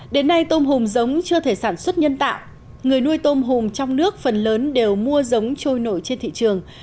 đến nay tôm hùm giống chưa thể sản xuất nhân tạo người nuôi tôm hùm trong nước phần lớn đều mua giống trôi nổi trên thị trường